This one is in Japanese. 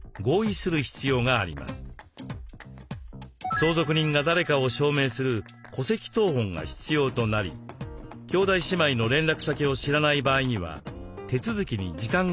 相続人が誰かを証明する戸籍謄本が必要となり兄弟姉妹の連絡先を知らない場合には手続きに時間がかかります。